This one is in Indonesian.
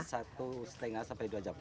satu setengah sampai dua jam